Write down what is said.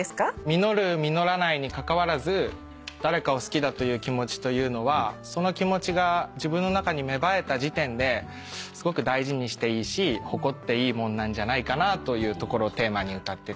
実る実らないにかかわらず誰かを好きだという気持ちというのはその気持ちが自分の中に芽生えた時点ですごく大事にしていいし誇っていいもんなんじゃないかなというところをテーマに歌ってて。